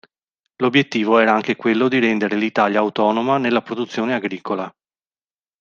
L'obiettivo era anche quello di rendere l'Italia autonoma nella produzione agricola.